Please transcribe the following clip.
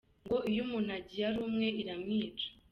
Ngo iyo umuntu agiye ari umwe iramwica.